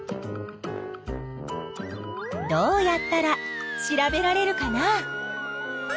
どうやったら調べられるかな？